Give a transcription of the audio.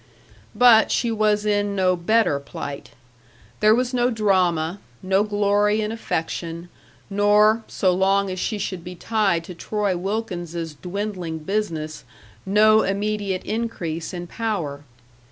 But she was in no better plight. There was no drama, no glory in affection, nor, so long as she should be tied to Troy Wilkins's dwindling business, no immediate increase in power.